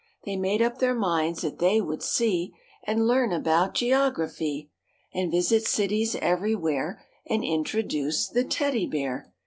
They made up their minds that they would And learn about geography 4nd visit cities everywhere And introduce the Teddy Bear.